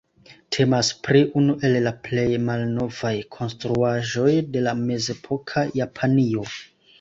Temas pri unu el la plej malnovaj konstruaĵoj de la mezepoka Japanio.